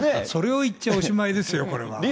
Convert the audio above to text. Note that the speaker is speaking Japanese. それを言っちゃおしまいですよ、これは。